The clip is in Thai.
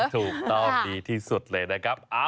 ถูกต้องดีที่สุดเลยนะครับ